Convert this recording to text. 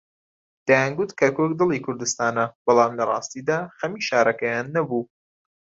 دەیانگوت کەرکووک دڵی کوردستانە، بەڵام لەڕاستیدا خەمی شارەکەیان نەبوو.